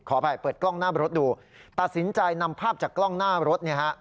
ขออภัยเปิดกล้องหน้ารถดูตัดสินใจนำภาพจากกล้องหน้ารถเนี่ยฮะ